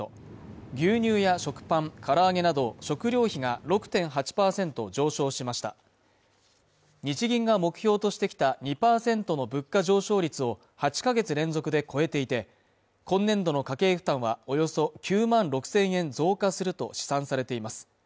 牛乳や食パン、唐揚げなど食料費が６．８％上昇しました日銀が目標としてきた２％の物価上昇率を８か月連続で超えていて今年度の家計負担はおよそ９万６０００円増加すると試算されています